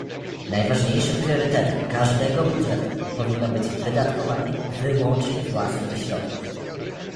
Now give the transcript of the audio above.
Najważniejszym priorytetem każdego budżetu powinno być wydatkowanie wyłącznie własnych środków